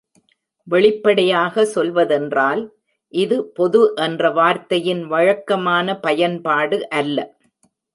வெளிப்படையாக சொல்வதென்றால், இது பொது என்ற வார்த்தையின் வழக்கமான பயன்பாடு அல்ல.